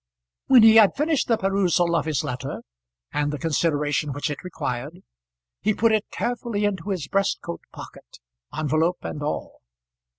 When he had finished the perusal of his letter and the consideration which it required, he put it carefully into his breast coat pocket, envelope and all.